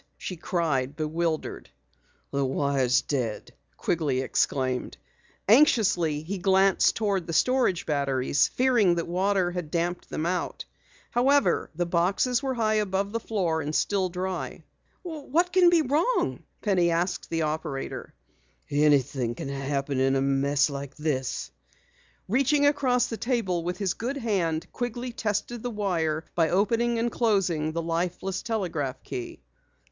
she cried, bewildered. "The wire's dead!" Quigley exclaimed. Anxiously he glanced toward the storage batteries, fearing that water had damped them out. However, the boxes were high above the floor and still dry. "What can be wrong?" Penny asked the operator. "Anything can happen in a mess like this." Reaching across the table with his good hand, Quigley tested the wire by opening and closing the lifeless telegraph key.